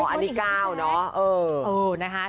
อันนี้๙เนอะ